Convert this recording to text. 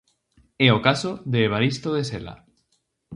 É o caso de Evaristo de Sela.